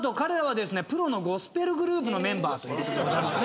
プロのゴスペルグループのメンバーということでございます。